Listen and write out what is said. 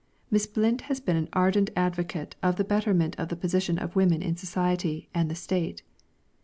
Miss Blind has been an ardent advocate of the betterment of the position of woman in society and the State.